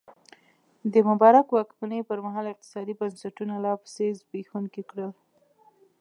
د مبارک واکمنۍ پرمهال اقتصادي بنسټونه لا پسې زبېښونکي کړل.